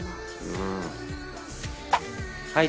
うん。